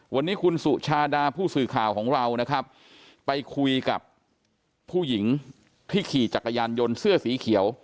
วันนี้คุณสุชาดาผู้สื่อข่าวของเรานะครับไปคุยกับผู้หญิงที่ขี่จักรยานยนต์เสื้อสีเขียว